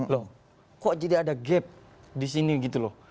loh kok jadi ada gap di sini gitu loh